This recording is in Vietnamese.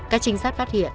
các trinh sát phát hiện